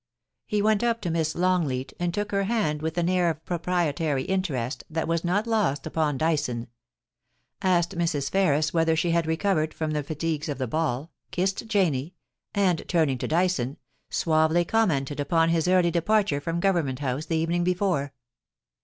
He went up to Miss Long leat, and took her hand with an air of proprietary interest that was not lost upon Dyson ; asked Mrs. Ferris whether she had recovered from the fatigues of the ball, kissed Janie, and, turning to Dyson, suavely commented upon his early departure from Government House the evening before.